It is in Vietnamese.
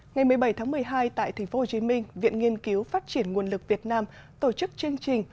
ngày một mươi bảy tháng một mươi hai tại tp hcm viện nghiên cứu phát triển nguồn lực việt nam tổ chức chương trình